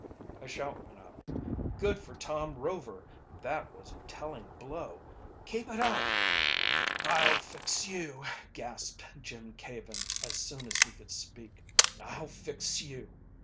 A shout went up. "Good for Tom Rover! That was a telling blow! I Keep it up!" "I'll fix you!" gasped Jim Caven, as soon as he could speak. "I'll fix you!"